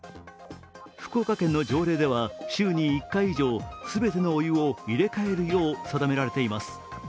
福岡県の条例では週に１回以上全てのお湯を入れ替えるよう定められています。